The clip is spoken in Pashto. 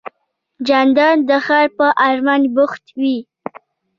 جانداد د خیر په ارمان بوخت وي.